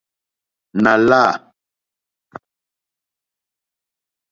Nà lâ.